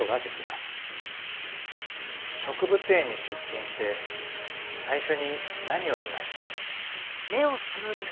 植物園に出勤して最初に何を見ました？